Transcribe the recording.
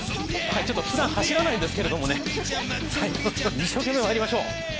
ふだん走らないですけれども、一生懸命まいりましょう。